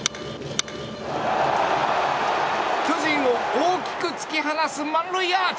巨人を大きく突き放す満塁アーチ！